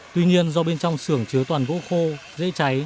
tuy nhiên do bên trong sườn chứa toàn gỗ khô dễ cháy